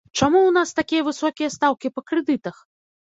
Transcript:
Чаму ў нас такія высокія стаўкі па крэдытах?